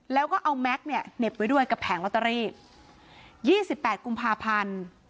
แล้วก็เอาแม็กซ์เนี่ยเหน็บไว้ด้วยกับแผงลอตเตอรี่ยี่สิบแปดกุมภาพันธ์